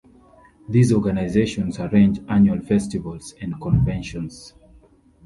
These organizations arrange annual festivals and conventions.